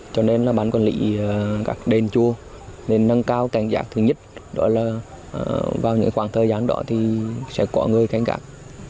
cho nên là bán quản lý các đền chùa nên nâng cao cảnh giác thứ nhất đó là vào những khoảng thời gian đó thì sẽ có người canh gạc